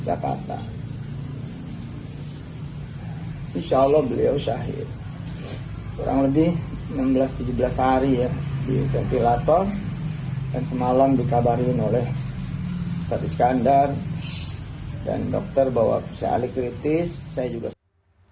almarhum sheikh ali jaber menemukan sheikh ali jaber di rumah sakit yarsi